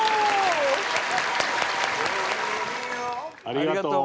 ありがとう。